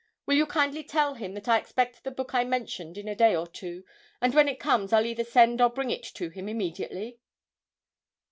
Will you kindly tell him, that I expect the book I mentioned in a day or two, and when it comes I'll either send or bring it to him immediately?'